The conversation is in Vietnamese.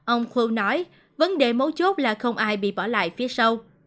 ông khô nói vấn đề mấu chốt là không ai bị bỏ lại phía sau